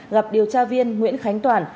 gặp điều tra viên nguyễn khánh toàn